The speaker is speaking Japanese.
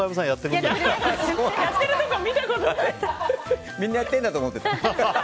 みんなやってると思ってた。